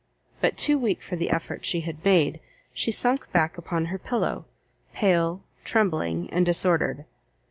but too weak for the effort she had made, she sunk back upon her pillow, pale, trembling, and disordered.